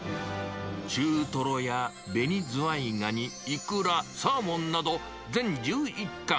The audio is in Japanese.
中トロやベニズワイガニ、イクラ、サーモンなど全１１貫。